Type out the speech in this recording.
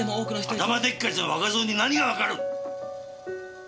頭でっかちの若造に何がわかる！